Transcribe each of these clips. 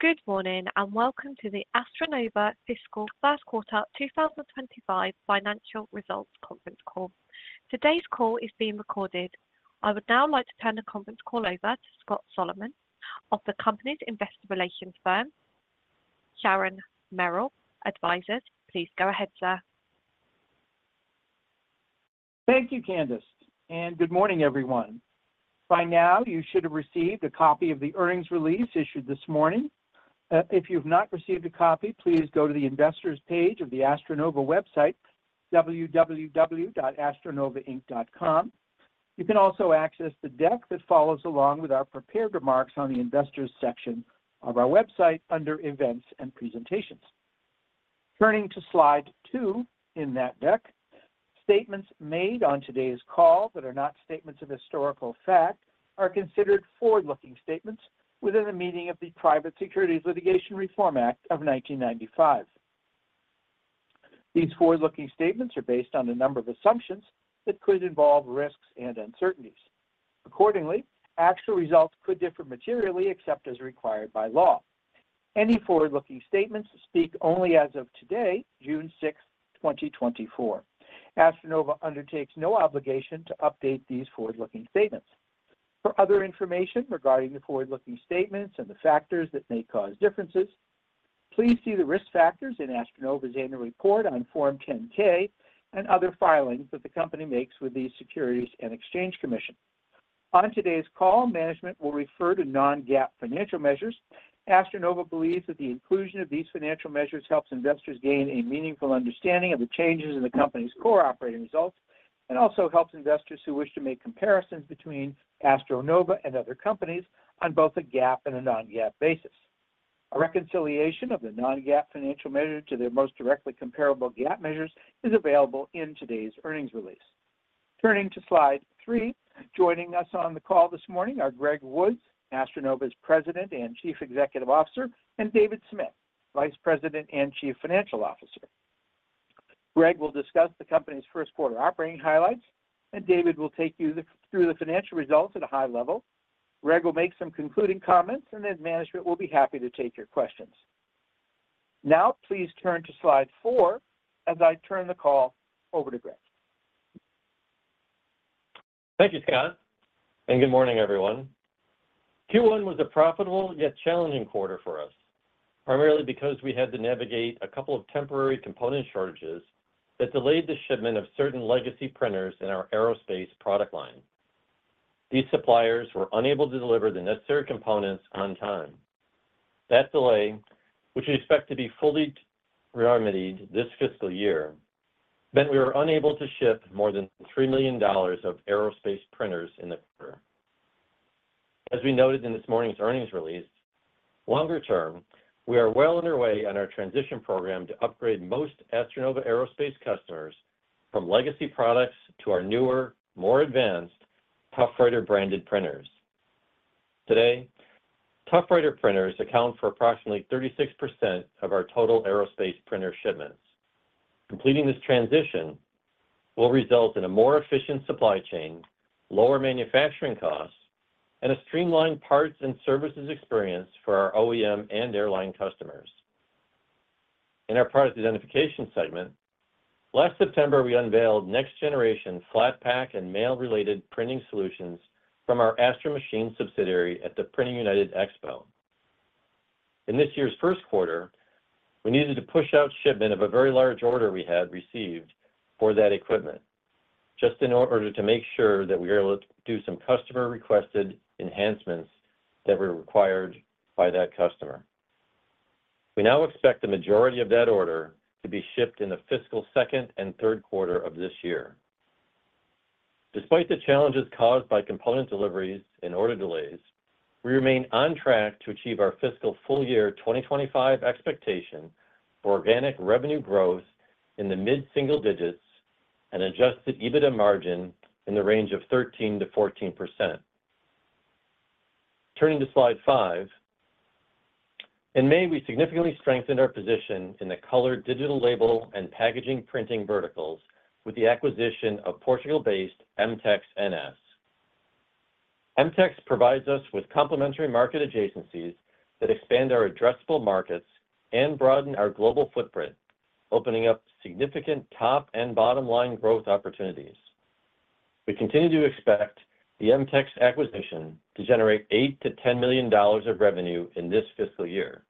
Good morning, and welcome to the AstroNova Fiscal Q1 2025 Financial Results Conference Call. Today's call is being recorded. I would now like to turn the conference call over to Scott Solomon of the company's Investor Relations Firm, Sharon Merrill Advisors. Please go ahead, sir. Thank you, Candice, and good morning, everyone. By now, you should have received a copy of the earnings release issued this morning. If you've not received a copy, please go to the Investors page of the AstroNova website, www.astronovainc.com. You can also access the deck that follows along with our prepared remarks on the Investors section of our website under Events and Presentations. Turning to slide two in that deck, statements made on today's call that are not statements of historical fact are considered forward-looking statements within the meaning of the Private Securities Litigation Reform Act of 1995. These forward-looking statements are based on a number of assumptions that could involve risks and uncertainties. Accordingly, actual results could differ materially except as required by law. Any forward-looking statements speak only as of today, June 6, 2024. AstroNova undertakes no obligation to update these forward-looking statements. For other information regarding the forward-looking statements and the factors that may cause differences, please see the risk factors in AstroNova's annual report on Form 10-K and other filings that the company makes with the Securities and Exchange Commission. On today's call, management will refer to non-GAAP financial measures. AstroNova believes that the inclusion of these financial measures helps investors gain a meaningful understanding of the changes in the company's core operating results, and also helps investors who wish to make comparisons between AstroNova and other companies on both a GAAP and a non-GAAP basis. A reconciliation of the non-GAAP financial measure to their most directly comparable GAAP measures is available in today's earnings release. Turning to slide three, joining us on the call this morning are Greg Woods, AstroNova's President and Chief Executive Officer, and David Smith, Vice President and Chief Financial Officer. Greg will discuss the company's Q1 operating highlights, and David will take you through the financial results at a high level. Greg will make some concluding comments, and then management will be happy to take your questions. Now, please turn to slide four as I turn the call over to Greg. Thank you, Scott, and good morning, everyone. Q1 was a profitable yet challenging quarter for us, primarily because we had to navigate a couple of temporary component shortages that delayed the shipment of certain legacy printers in our aerospace product line. These suppliers were unable to deliver the necessary components on time. That delay, which we expect to be fully remedied this fiscal year, meant we were unable to ship more than $3 million of aerospace printers in the quarter. As we noted in this morning's earnings release, longer term, we are well on our way on our transition program to upgrade most AstroNova aerospace customers from legacy products to our newer, more advanced ToughWriter branded printers. Today, ToughWriter printers account for approximately 36% of our total aerospace printer shipments. Completing this transition will result in a more efficient supply chain, lower manufacturing costs, and a streamlined parts and services experience for our OEM and airline customers. In our product identification segment, last September, we unveiled next-generation flat pack and mail-related printing solutions from our Astro Machine subsidiary at the Printing United Expo. In this year's Q1, we needed to push out shipment of a very large order we had received for that equipment, just in order to make sure that we are able to do some customer-requested enhancements that were required by that customer. We now expect the majority of that order to be shipped in the fiscal second and Q3 of this year. Despite the challenges caused by component deliveries and order delays, we remain on track to achieve our fiscal full-year 2025 expectation for organic revenue growth in the mid-single digits and adjusted EBITDA margin in the range of 13%-14%. Turning to slide five. In May, we significantly strengthened our position in the color digital label and packaging printing verticals with the acquisition of Portugal-based MTEX NS. MTEX provides us with complementary market adjacencies that expand our addressable markets and broaden our global footprint, opening up significant top and bottom line growth opportunities. We continue to expect the MTEX acquisition to generate $8 million-$10 million of revenue in this fiscal year.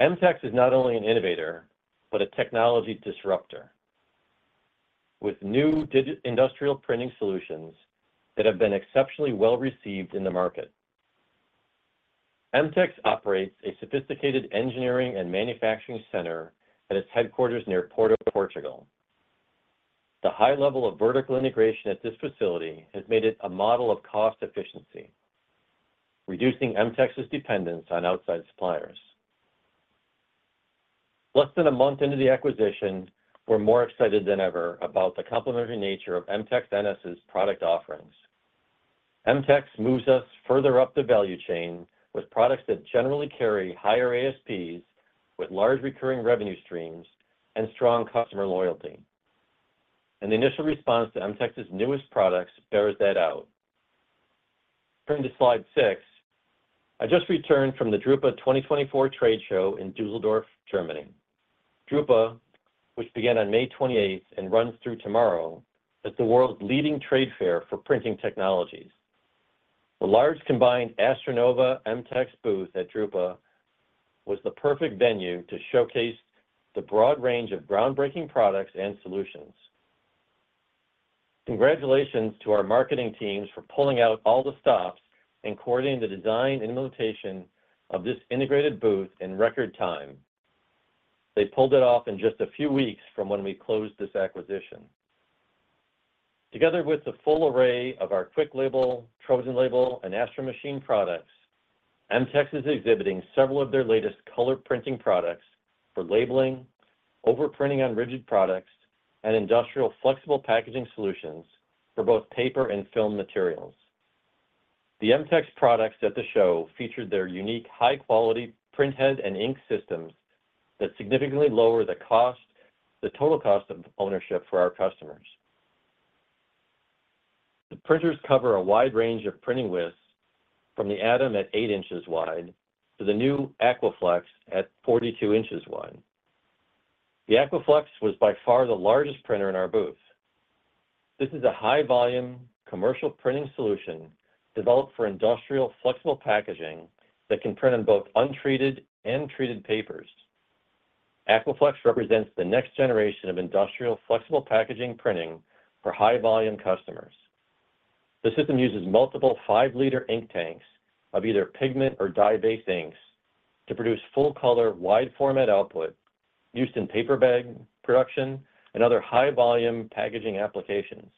MTEX is not only an innovator, but a technology disruptor, with new digital industrial printing solutions that have been exceptionally well-received in the market. MTEX operates a sophisticated engineering and manufacturing center at its headquarters near Porto, Portugal. The high level of vertical integration at this facility has made it a model of cost efficiency, reducing MTEX's dependence on outside suppliers. Less than a month into the acquisition, we're more excited than ever about the complementary nature of MTEX NS's product offerings. MTEX moves us further up the value chain with products that generally carry higher ASPs, with large recurring revenue streams and strong customer loyalty... and the initial response to MTEX's newest products bears that out. Turning to slide six, I just returned from the Drupa 2024 trade show in Düsseldorf, Germany. Drupa, which began on May 28th and runs through tomorrow, is the world's leading trade fair for printing technologies. The large combined AstroNova MTEX booth at Drupa was the perfect venue to showcase the broad range of groundbreaking products and solutions. Congratulations to our marketing teams for pulling out all the stops and coordinating the design and implementation of this integrated booth in record time. They pulled it off in just a few weeks from when we closed this acquisition. Together with the full array of our QuickLabel, TrojanLabel, and Astro Machine products, MTEX is exhibiting several of their latest color printing products for labeling, overprinting on rigid products, and industrial flexible packaging solutions for both paper and film materials. The MTEX products at the show featured their unique, high-quality printhead and ink systems that significantly lower the cost, the total cost of ownership for our customers. The printers cover a wide range of printing widths, from the Atom at 8 inches wide to the new Aquaflex at 42 inches wide. The Aquaflex was by far the largest printer in our booth. This is a high-volume commercial printing solution developed for industrial flexible packaging that can print on both untreated and treated papers. Aquaflex represents the next generation of industrial flexible packaging printing for high-volume customers. The system uses multiple 5-liter ink tanks of either pigment or dye-based inks to produce full-color, wide-format output used in paper bag production and other high-volume packaging applications.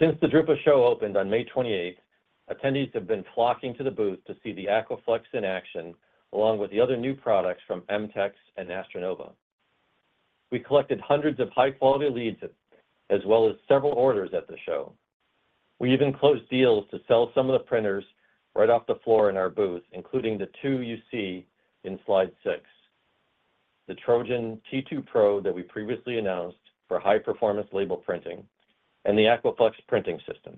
Since the Drupa show opened on May 28th, attendees have been flocking to the booth to see the Aquaflex in action, along with the other new products from MTEX and AstroNova. We collected hundreds of high-quality leads, as well as several orders at the show. We even closed deals to sell some of the printers right off the floor in our booth, including the two you see in slide six: the Trojan T2 Pro that we previously announced for high-performance label printing, and the Aquaflex printing system.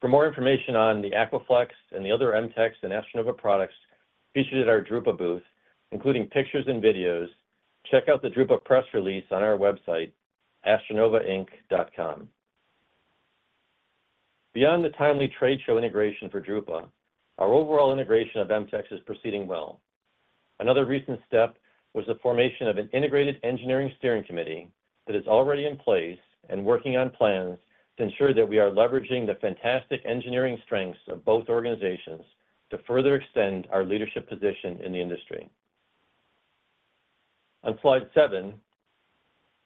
For more information on the Aquaflex and the other MTEX and AstroNova products featured at our Drupa booth, including pictures and videos, check out the Drupa press release on our website, astronovainc.com. Beyond the timely trade show integration for Drupa, our overall integration of MTEX is proceeding well. Another recent step was the formation of an integrated engineering steering committee that is already in place and working on plans to ensure that we are leveraging the fantastic engineering strengths of both organizations to further extend our leadership position in the industry. On slide seven,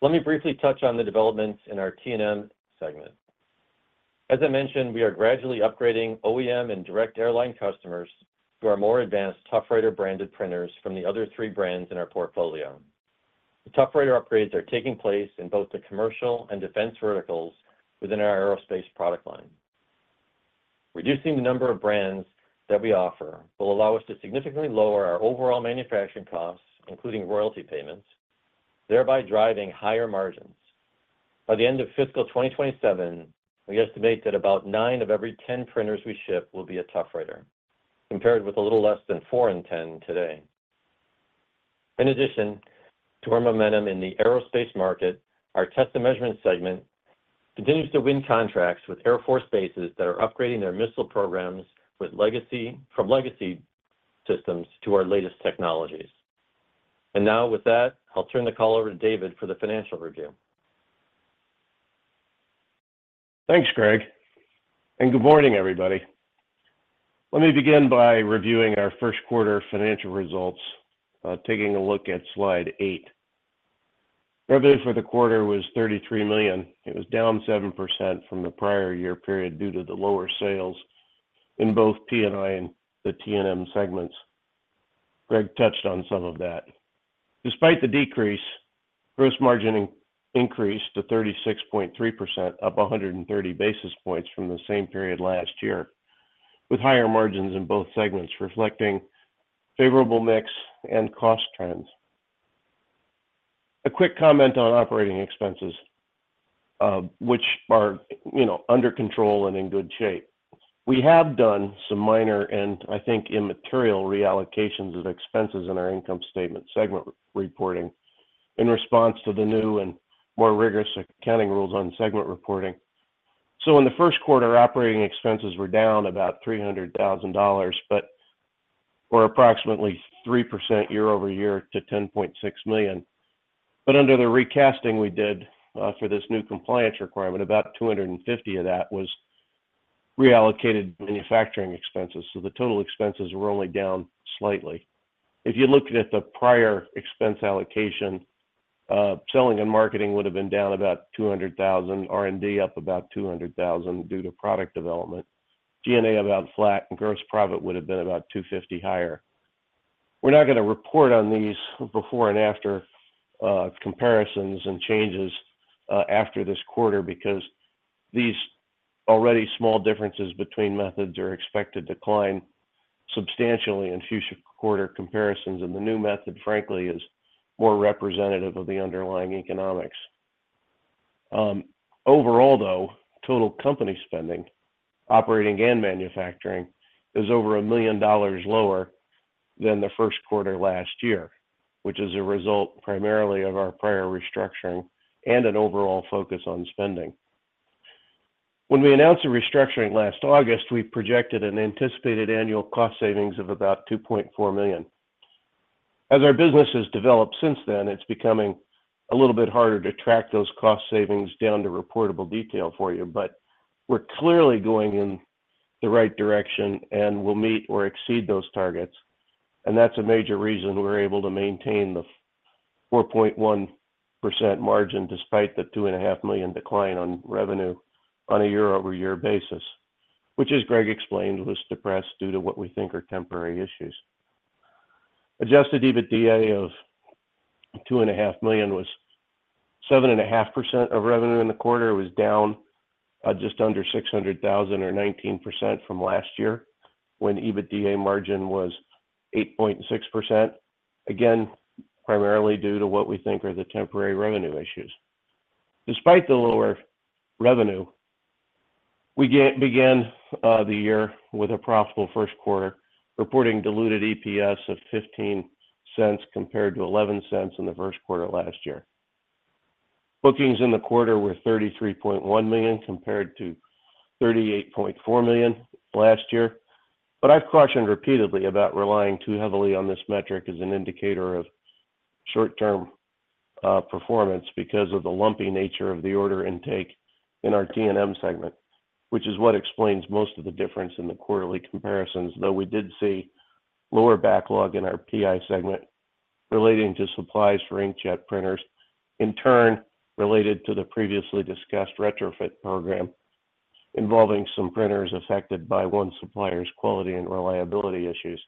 let me briefly touch on the developments in our T&M segment. As I mentioned, we are gradually upgrading OEM and direct airline customers to our more advanced ToughWriter branded printers from the other three brands in our portfolio. The ToughWriter upgrades are taking place in both the commercial and defense verticals within our aerospace product line. Reducing the number of brands that we offer will allow us to significantly lower our overall manufacturing costs, including royalty payments, thereby driving higher margins. By the end of fiscal 2027, we estimate that about 9 of every 10 printers we ship will be a ToughWriter, compared with a little less than 4 in 10 today. In addition to our momentum in the aerospace market, our test and measurement segment continues to win contracts with Air Force bases that are upgrading their missile programs from legacy systems to our latest technologies. And now, with that, I'll turn the call over to David for the financial review. Thanks, Greg, and good morning, everybody. Let me begin by reviewing our Q1 financial results, taking a look at slide eight. Revenue for the quarter was $33 million. It was down 7% from the prior year period due to the lower sales in both PI and the T&M segments. Greg touched on some of that. Despite the decrease, gross margin increased to 36.3%, up 100 basis points from the same period last year, with higher margins in both segments, reflecting favorable mix and cost trends. A quick comment on operating expenses, which are, you know, under control and in good shape. We have done some minor, and I think, immaterial reallocations of expenses in our income statement segment reporting in response to the new and more rigorous accounting rules on segment reporting. In the Q1, operating expenses were down about $300,000, but were approximately 3% year-over-year to $10.6 million. But under the recasting we did for this new compliance requirement, about $250,000 of that was reallocated manufacturing expenses, so the total expenses were only down slightly. If you looked at the prior expense allocation, selling and marketing would have been down about $200,000, R&D up about $200,000 due to product development, G&A about flat, and gross profit would have been about $250,000 higher. We're not going to report on these before and after comparisons and changes after this quarter, because these already small differences between methods are expected to decline substantially in future quarter comparisons, and the new method, frankly, is more representative of the underlying economics. Overall, though, total company spending, operating and manufacturing, is over $1 million lower than the Q1 last year, which is a result primarily of our prior restructuring and an overall focus on spending. When we announced the restructuring last August, we projected an anticipated annual cost savings of about $2.4 million. As our business has developed since then, it's becoming a little bit harder to track those cost savings down to reportable detail for you, but we're clearly going in the right direction, and we'll meet or exceed those targets. And that's a major reason we're able to maintain the 4.1% margin, despite the $2.5 million decline on revenue on a year-over-year basis, which, as Greg explained, was depressed due to what we think are temporary issues. Adjusted EBITDA of $2.5 million was 7.5% of revenue in the quarter, was down just under $600,000 or 19% from last year, when EBITDA margin was 8.6%. Again, primarily due to what we think are the temporary revenue issues. Despite the lower revenue, we began the year with a profitable Q1, reporting diluted EPS of $0.15 compared to $0.11 in the Q1 last year. Bookings in the quarter were $33.1 million compared to $38.4 million last year. But I've cautioned repeatedly about relying too heavily on this metric as an indicator of short-term performance because of the lumpy nature of the order intake in our TNM segment, which is what explains most of the difference in the quarterly comparisons. Though we did see lower backlog in our PI segment relating to supplies for inkjet printers, in turn related to the previously discussed retrofit program, involving some printers affected by one supplier's quality and reliability issues.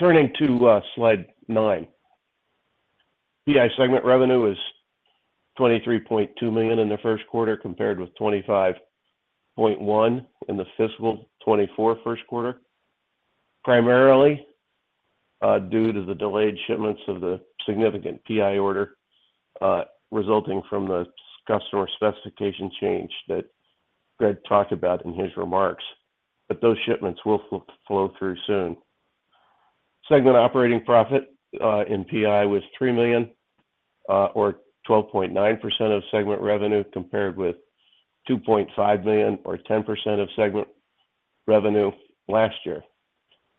Turning to slide nine. PI segment revenue is $23.2 million in the Q1, compared with $25.1 million in the fiscal 2024 Q1, primarily due to the delayed shipments of the significant PI order resulting from the customer specification change that Greg talked about in his remarks, but those shipments will flow through soon. Segment operating profit in PI was $3 million or 12.9% of segment revenue, compared with $2.5 million or 10% of segment revenue last year.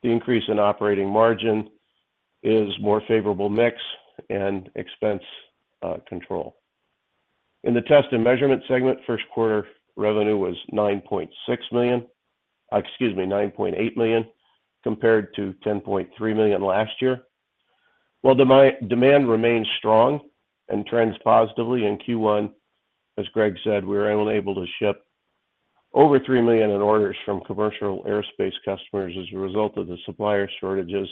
The increase in operating margin is more favorable mix and expense control. In the test and measurement segment, Q1 revenue was $9.6 million, excuse me, $9.8 million, compared to $10.3 million last year. While demand remains strong and trends positively in Q1, as Greg said, we were unable to ship over $3 million in orders from commercial aerospace customers as a result of the supplier shortages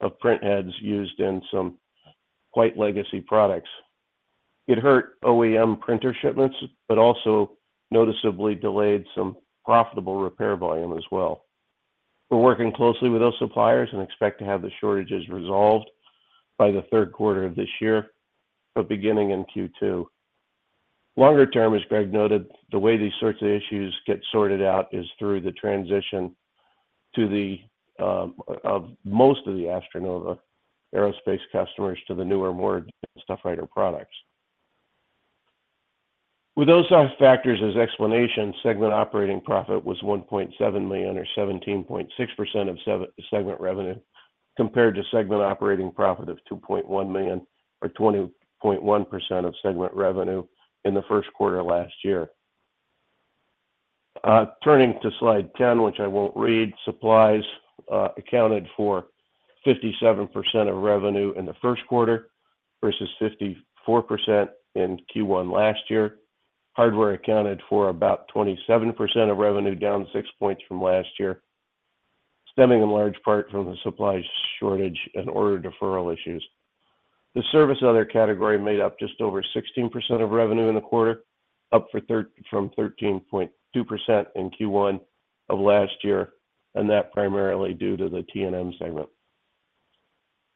of print heads used in some quite legacy products. It hurt OEM printer shipments, but also noticeably delayed some profitable repair volume as well. We're working closely with those suppliers and expect to have the shortages resolved by the Q3 of this year, but beginning in Q2. Longer term, as Greg noted, the way these sorts of issues get sorted out is through the transition to the of most of the AstroNova aerospace customers to the newer, more ToughWriter products. With those factors as explanation, segment operating profit was $1.7 million or 17.6% of segment revenue, compared to segment operating profit of $2.1 million or 20.1% of segment revenue in the Q1 of last year. Turning to slide 10, which I won't read, supplies accounted for 57% of revenue in the Q1 versus 54% in Q1 last year. Hardware accounted for about 27% of revenue, down 6 points from last year, stemming in large part from the supply shortage and order deferral issues. The service and other category made up just over 16% of revenue in the quarter, up from 13.2% in Q1 of last year, and that primarily due to the T&M segment.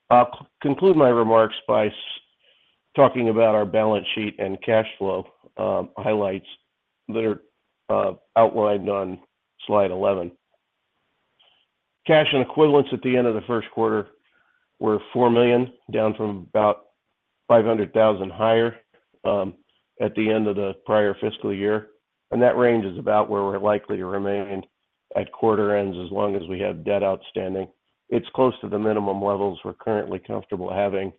I'll conclude my remarks by talking about our balance sheet and cash flow highlights that are outlined on slide 11. Cash and equivalents at the end of the Q1 were $4 million, down from about $500,000 higher at the end of the prior fiscal year, and that range is about where we're likely to remain at quarter ends, as long as we have debt outstanding. It's close to the minimum levels we're currently comfortable having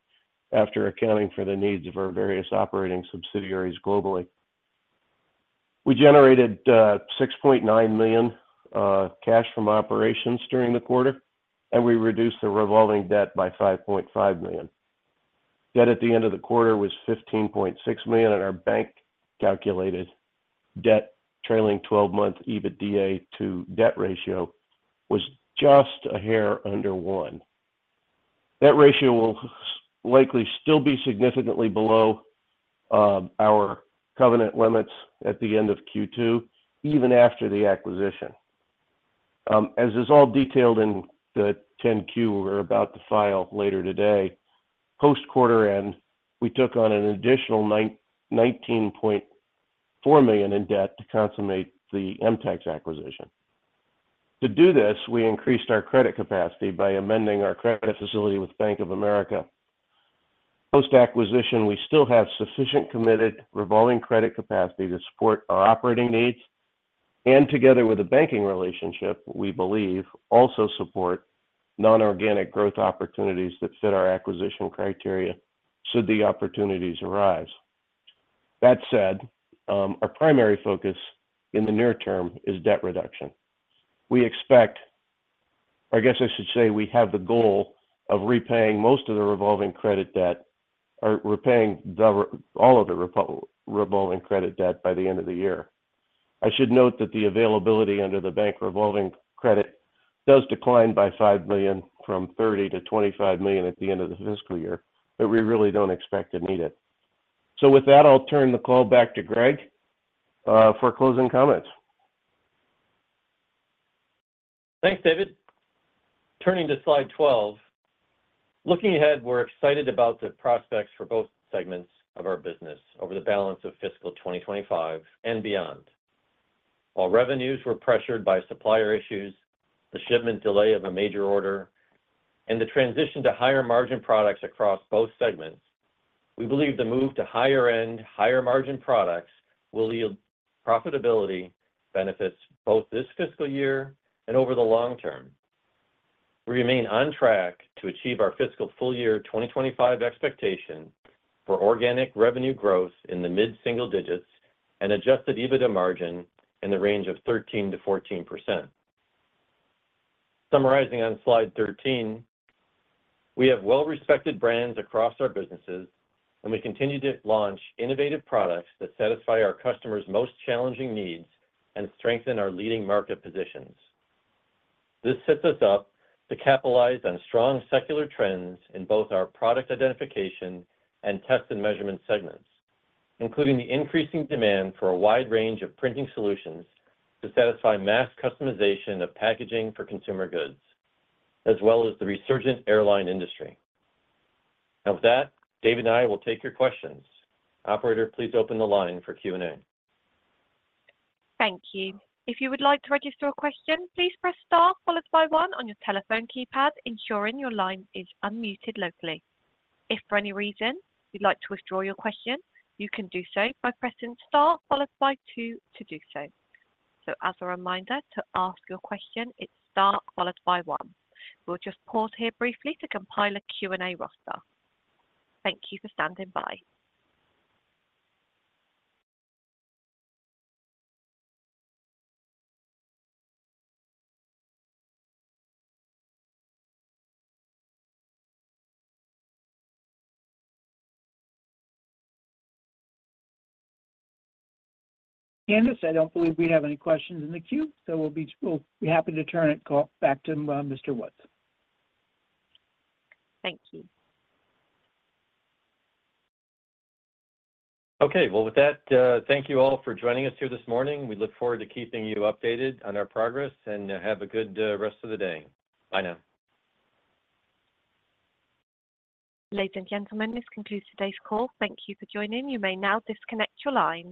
after accounting for the needs of our various operating subsidiaries globally. We generated $6.9 million cash from operations during the quarter, and we reduced the revolving debt by $5.5 million. Debt at the end of the quarter was $15.6 million, and our bank calculated debt trailing 12 months EBITDA to debt ratio was just a hair under one. That ratio will likely still be significantly below our covenant limits at the end of Q2, even after the acquisition. As is all detailed in the 10-Q we're about to file later today, post quarter end, we took on an additional $19.4 million in debt to consummate the MTEX acquisition. To do this, we increased our credit capacity by amending our credit facility with Bank of America. Post-acquisition, we still have sufficient committed revolving credit capacity to support our operating needs, and together with a banking relationship, we believe, also support non-organic growth opportunities that fit our acquisition criteria should the opportunities arise. That said, our primary focus in the near term is debt reduction. We expect, or I guess I should say, we have the goal of repaying most of the revolving credit debt or repaying all of the revolving credit debt by the end of the year. I should note that the availability under the bank revolving credit does decline by $5 million, from $30 million to $25 million at the end of the fiscal year, but we really don't expect to need it. So with that, I'll turn the call back to Greg for closing comments. Thanks, David. Turning to slide 12. Looking ahead, we're excited about the prospects for both segments of our business over the balance of fiscal 2025 and beyond. While revenues were pressured by supplier issues, the shipment delay of a major order, and the transition to higher margin products across both segments, we believe the move to higher end, higher margin products will yield profitability benefits both this fiscal year and over the long term. We remain on track to achieve our fiscal full year 2025 expectation for organic revenue growth in the mid-single digits and Adjusted EBITDA margin in the range of 13%-14%. Summarizing on slide 13, we have well-respected brands across our businesses, and we continue to launch innovative products that satisfy our customers' most challenging needs and strengthen our leading market positions. This sets us up to capitalize on strong secular trends in both our product identification and test and measurement segments, including the increasing demand for a wide range of printing solutions to satisfy mass customization of packaging for consumer goods, as well as the resurgent airline industry. Now, with that, Dave and I will take your questions. Operator, please open the line for Q&A. Thank you. If you would like to register a question, please press star followed by one on your telephone keypad, ensuring your line is unmuted locally. If for any reason you'd like to withdraw your question, you can do so by pressing star followed by two to do so. So as a reminder to ask your question, it's star followed by one. We'll just pause here briefly to compile a Q&A roster. Thank you for standing by. Candice, I don't believe we have any questions in the queue, so we'll be happy to turn the call back to Mr. Woods. Thank you. Okay. Well, with that, thank you all for joining us here this morning. We look forward to keeping you updated on our progress, and have a good rest of the day. Bye now. Ladies and gentlemen, this concludes today's call. Thank you for joining. You may now disconnect your line.